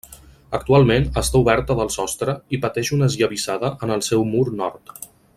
Actualment està oberta del sostre i pateix una esllavissada en el seu mur nord.